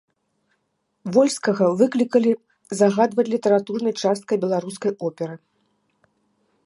Вольскага выклікалі загадваць літаратурнай часткай беларускай оперы.